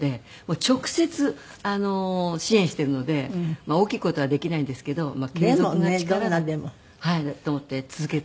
直接支援しているので大きい事はできないんですけど継続は力なりと思って続けて。